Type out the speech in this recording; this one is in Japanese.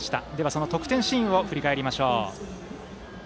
その得点シーンを振り返りましょう。